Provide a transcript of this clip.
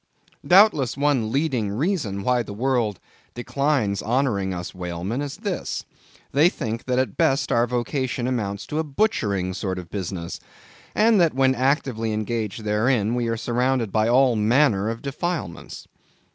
Doubtless one leading reason why the world declines honoring us whalemen, is this: they think that, at best, our vocation amounts to a butchering sort of business; and that when actively engaged therein, we are surrounded by all manner of defilements.